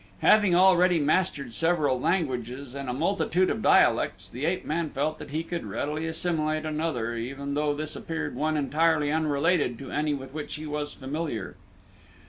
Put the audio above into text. Having already mastered several languages and a multitude of dialects the ape man felt that he could readily assimilate another even though this appeared one entirely unrelated to any with which he was familiar.